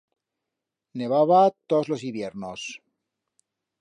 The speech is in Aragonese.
Nevaba todos los hibiernos.